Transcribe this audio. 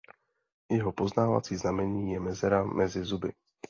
Jeho poznávací znamení je mezera mezi zuby.